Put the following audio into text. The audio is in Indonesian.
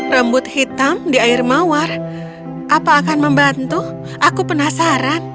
rambut hitam di air mawar apa akan membantu aku penasaran